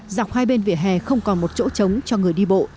dọc hai bên vỉa hè không còn một chỗ trống cho người đi bộ